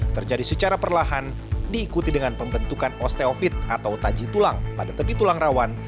terjadi secara perlahan diikuti dengan pembentukan osteofit atau taji tulang pada tepi tulang rawan